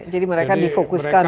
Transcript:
jadi mereka di fokuskan untuk